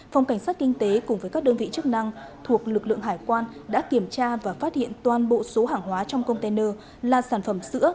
phòng cảnh sát kinh tế cùng với các đơn vị chức năng thuộc lực lượng hải quan đã kiểm tra và phát hiện toàn bộ số hàng hóa trong container là sản phẩm sữa